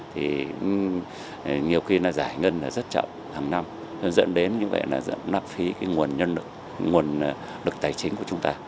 thì nhiều khi là giải ngân rất chậm hàng năm dẫn đến như vậy là dẫn nạp phí cái nguồn nhân lực nguồn lực tài chính của chúng ta